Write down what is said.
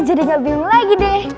jadi nggak bingung lagi deh